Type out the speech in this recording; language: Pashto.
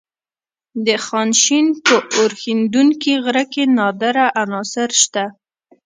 د خانشین په اورښیندونکي غره کې نادره عناصر شته.